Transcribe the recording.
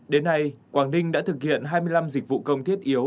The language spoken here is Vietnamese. đến nay quảng ninh đã thực hiện hai mươi năm dịch vụ công thiết yếu